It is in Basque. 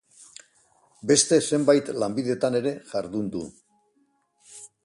Beste zenbait lanbidetan ere jardun du.